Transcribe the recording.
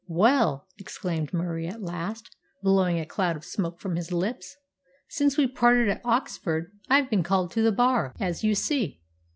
"Well," exclaimed Murie at last, blowing a cloud of smoke from his lips, "since we parted at Oxford I've been called to the Bar, as you see.